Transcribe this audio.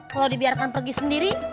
kalau dibiarkan pergi sendiri